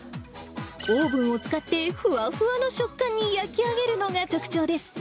オーブンを使って、ふわふわの食感に焼き上げるのが特徴です。